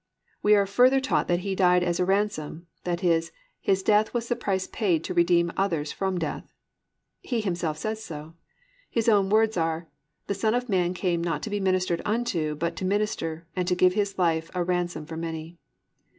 We are further taught that He died as a ransom, that is, His death was the price paid to redeem others from death. He Himself says so. His own words are, +"The Son of man came not to be ministered unto, but to minister, and to give his life a ransom for many."